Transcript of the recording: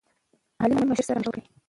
مالي مشاور سره مشوره وکړئ.